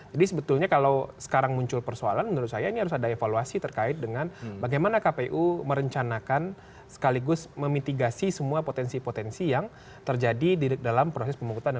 jadi sebetulnya kalau sekarang muncul persoalan menurut saya ini harus ada evaluasi terkait dengan bagaimana kpu merencanakan sekaligus memitigasi semua potensi potensi yang terjadi di dalam proses pemungkutan